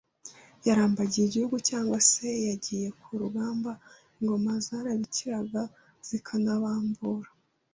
yarambagiye Igihugu cyangwa se yagiye ku rugamba ingoma zarabikiraga zikanabambura